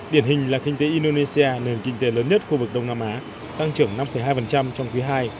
điển hình là kinh tế indonesia nền kinh tế lớn nhất khu vực đông nam á tăng trưởng năm hai trong khu vực đông nam á